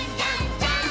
ジャンプ！！